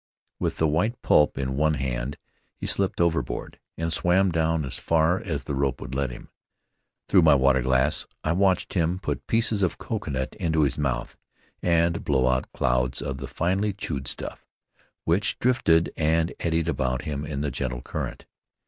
With the white pulp in one hand, he slipped overboard and swam down as far as the rope would let him. Through my water glass I watched him put pieces of coconut into his mouth and blow out clouds of the finely chewed stuff, which drifted and eddied about him in the gentle current.